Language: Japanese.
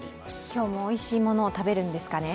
今日もおいしいものを食べるんですかね？